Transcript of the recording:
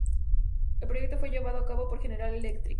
El proyecto fue llevado a cabo por General Electric.